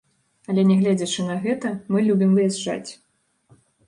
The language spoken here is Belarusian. Але, нягледзячы на гэта, мы любім выязджаць.